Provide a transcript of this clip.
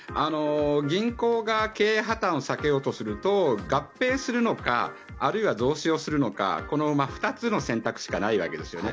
銀行が経営破たんを避けようとすると合併するのかあるいは増資をするのかこの２つの選択しかないわけですよね。